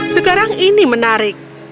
sekarang ini menarik